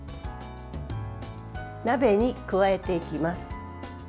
鍋に加えていきます。